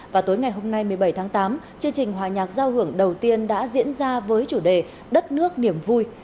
và tối ngày hôm nay một mươi bảy tháng tám chương trình hòa nhạc giao hưởng đầu tiên đã diễn ra với chủ đề đất nước niềm vui